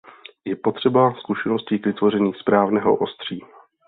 Je potřeba zkušeností k vytvoření správného ostří.